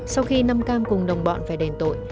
sau khi năm cam cùng đồng bọn về đền tội